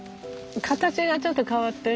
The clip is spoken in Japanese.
形がちょっと変わってる。